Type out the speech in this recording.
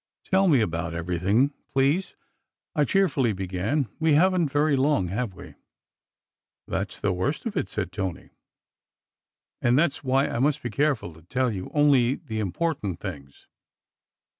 "Tell me about everything, please," I cheerfully began. "We haven t very long, have we?" "That s the worst of it," said Tony, "and that s why I must be careful to tell you only the important things.